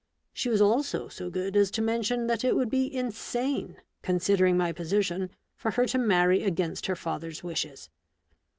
She was also so good as to mention that it would be insane, considering my position, for her to marry against her father's wishes.